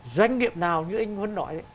doanh nghiệp nào như anh huấn nói đấy